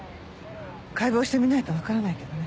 解剖してみないとわからないけどね。